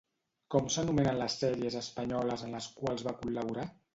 Com s'anomenen les sèries espanyoles en les quals va col·laborar?